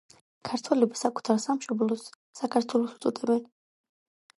ქართველები საკუთარ სამშობლოს „საქართველოს“ უწოდებენ.